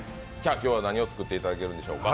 今日は何を作っていただけるんでしょうか？